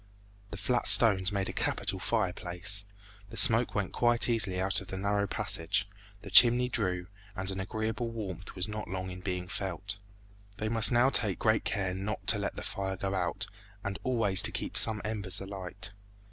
The flat stones made a capital fireplace. The smoke went quite easily out at the narrow passage, the chimney drew, and an agreeable warmth was not long in being felt. They must now take great care not to let the fire go out, and always to keep some embers alight.